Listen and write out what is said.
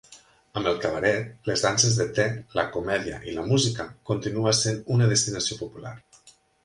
Amb el cabaret, les danses de te, la comèdia i la música, continua sent una destinació popular.